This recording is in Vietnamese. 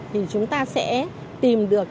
thì chúng ta sẽ tìm được